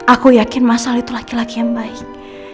aku yakin mas al itu laki laki yang baik